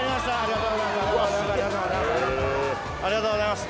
ありがとうございます。